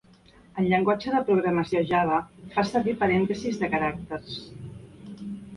El llenguatge de programació Java fa servir parèntesis de caràcters.